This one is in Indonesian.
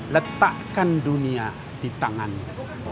letakkan dunia di tanganmu